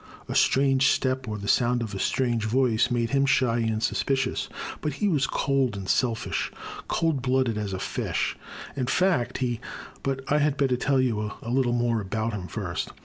A strange step or the sound of a strange voice made him shy and suspicious. But he was cold and selfish, cold blooded as a fish— in fact he — ^but I had better tell you a little more about him first.